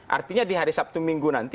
artinya di hari sabtu minggu nanti